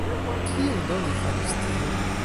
Kiel do li faris tion?